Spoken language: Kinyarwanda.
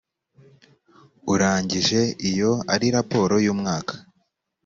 urangije iyo ari raporo y’ umwaka